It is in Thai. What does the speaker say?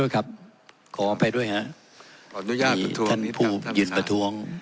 ขออภัยด้วยครับท่านผู้หยุดประท้วง